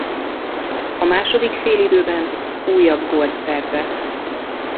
A második félidőben újabb gólt szerzett.